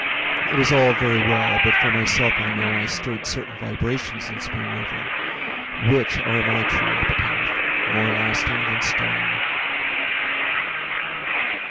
It is all very well, but for myself I know I stirred certain vibrations in Spoon River Which are my true epitaph, more lasting than stone.